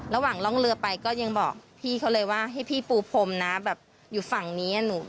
ระหว่างร่องเรือไปก็ยังบอกพี่เขาเลยว่าให้พี่ปูพรมนะแบบอยู่ฝั่งนี้